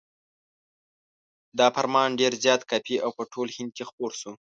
دا فرمان ډېر زیات کاپي او په ټول هند کې خپور شو.